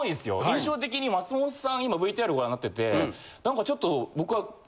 印象的に松本さん今ＶＴＲご覧になってて何かちょっと僕は。